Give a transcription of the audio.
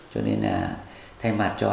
cho nên là thay mặt cho